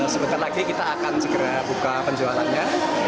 sebentar lagi kita akan segera buka penjualannya